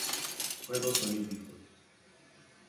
Juegos Olímpicos.